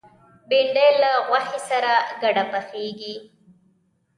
بېنډۍ له غوښې سره ګډه پخېږي